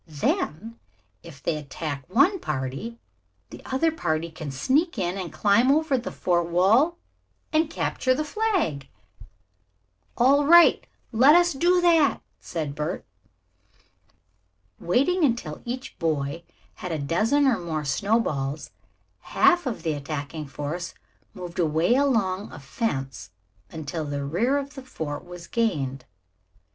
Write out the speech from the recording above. Then, if they attack one party, the other party can sneak in and climb over the fort wall and capture the flag." "All right, let us do that," said Bert. Waiting until each boy had a dozen or more snowballs, half of the attacking force moved away along a fence until the rear of the fort was gained.